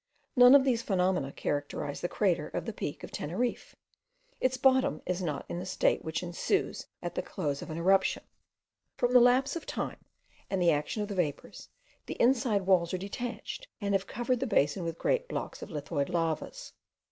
None of these phenomena characterise the crater of the peak of Teneriffe; its bottom is not in the state which ensues at the close of an eruption. From the lapse of time, and the action of the vapours, the inside walls are detached, and have covered the basin with great blocks of lithoid lavas.